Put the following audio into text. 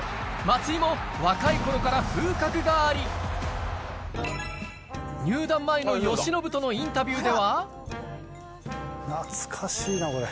松井も若い頃から風格があり入団前の由伸とのインタビューでは懐かしいなこれ。